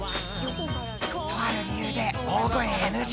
とある理由で大声ＮＧ。